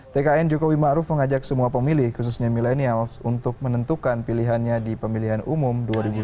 tkn jokowi ma'ruf mengajak semua pemilih khususnya milenial untuk menentukan pilihannya di pemilihan umum dua ribu sembilan belas